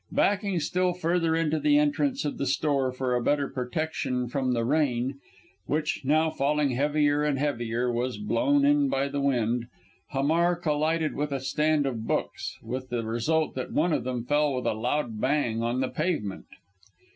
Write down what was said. Backing still further into the entrance of the store for a better protection from the rain, which, now falling heavier and heavier, was blown in by the wind, Hamar collided with a stand of books, with the result that one of them fell with a loud bang on the pavement.